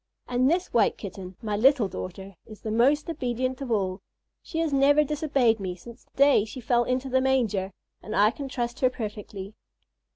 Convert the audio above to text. And this White Kitten, my little daughter, is the most obedient of all. She has never disobeyed me since the day she fell into the manger, and I can trust her perfectly."